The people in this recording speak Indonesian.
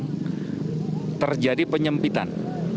ternyata terjadi penyempitan